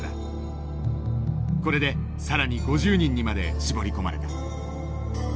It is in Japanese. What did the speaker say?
これで更に５０人にまで絞り込まれた。